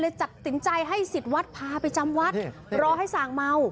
เลยจัดตินใจให้ศิษย์วัดพาไปจำวัดรอให้สางเมา